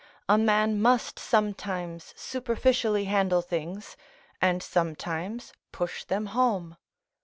A man must sometimes superficially handle things, and sometimes push them home.